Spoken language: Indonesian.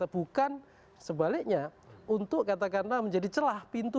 bukan sebaliknya untuk katakanlah menjadi celah pintu